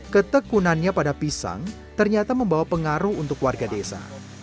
ketekunannya pada pisang ternyata membawa pengaruh untuk warga desa